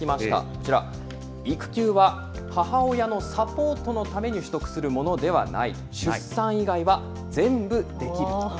こちら、育休は母親のサポートのために取得するものではない、出産以外は全部できる。